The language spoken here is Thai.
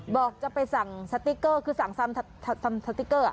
บอกจะไปสั่งสติ๊กเกอร์คือสั่งสติ๊กเกอร์